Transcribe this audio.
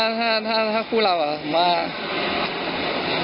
เอาแทนกิ้งแค่นาทีคู่เราจะเป็นอะไรดี